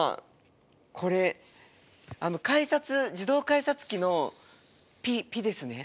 これ改札自動改札機のピッピッですね。